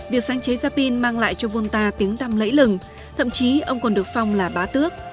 việc sáng chế ra pin mang lại cho volta tiếng tăm lẫy lừng thậm chí ông còn được phong là bá tước